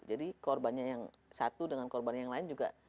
jadi korbannya yang satu dengan korbannya yang lain juga